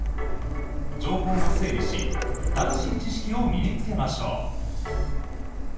情報を整理し正しい知識を身に着けましょう。